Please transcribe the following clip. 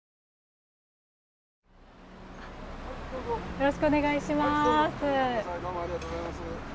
よろしくお願いします。